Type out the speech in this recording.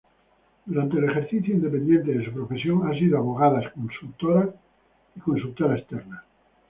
Durante el ejercicio independiente de su profesión ha sido abogada consultora y consultora externa.